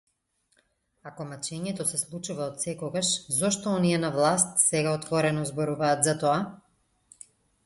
Ако мачењето се случува отсекогаш, зошто оние на власт сега отворено зборуваат за тоа?